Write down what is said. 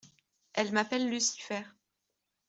Elle m'appelle Lucifer.